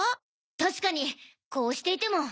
確かにこうしていても。